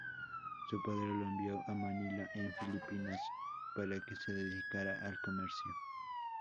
Su padre lo envió a Manila en Filipinas, para que se dedicara al comercio.